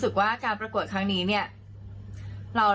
บ๊ายบายค่ะสวัสดีค่ะ